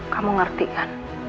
kamu ngerti kan